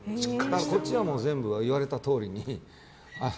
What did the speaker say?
こっちはもう全部言われたとおりに。